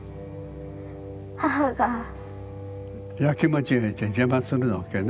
やきもちやいて邪魔するわけね。